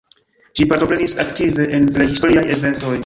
Ĝi partoprenis aktive en plej historiaj eventoj.